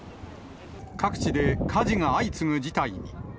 各地で火事が相次ぐ事態に。